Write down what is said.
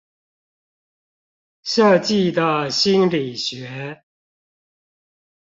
設計的心理學